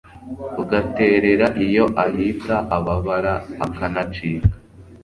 ugaterera iyo ahita ababara akanacika